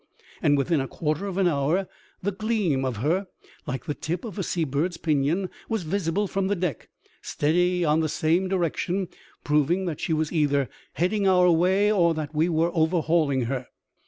'* and within a quarter of an hour the gleam of her, like the tip of a seabird*s pinion, was visible from the deck, steady in the same direction, proving that she was either heading our way or that we were overhauliag her.